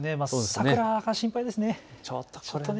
桜が心配ですね。